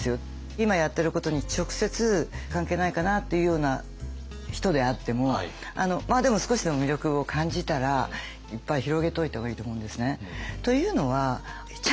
今やってることに直接関係ないかな？っていうような人であってもまあでも少しでも魅力を感じたらいっぱい広げといた方がいいと思うんですね。